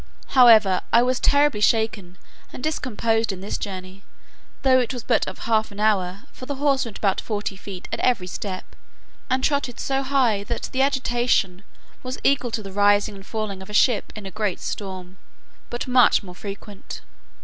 However, I was terribly shaken and discomposed in this journey, though it was but of half an hour: for the horse went about forty feet at every step and trotted so high, that the agitation was equal to the rising and falling of a ship in a great storm, but much more frequent.